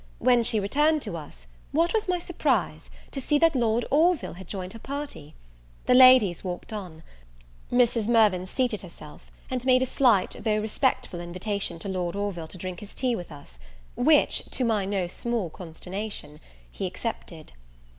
When she returned to us, what was my surprise, to see that Lord Orville had joined her party! The ladies walked on: Mrs. Mirvan seated herself, and made a slight, though respectful, invitation to Lord Orville to drink his tea with us; which, to my no small consternation, he accepted.